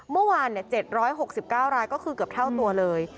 เมื่อวาน๗๖๙รายก็คือเกือบเท่าตัวเลย